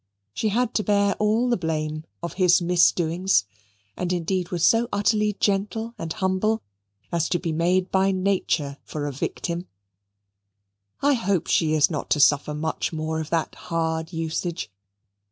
She had to bear all the blame of his misdoings, and indeed was so utterly gentle and humble as to be made by nature for a victim. I hope she is not to suffer much more of that hard usage.